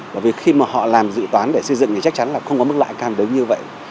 bởi vì khi mà họ làm dự toán để xây dựng thì chắc chắn là không có mức lạ càng đến như vậy